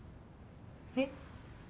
えっ。